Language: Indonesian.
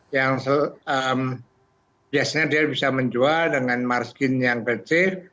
yang biasanya dia bisa menjual dengan marskin yang kecil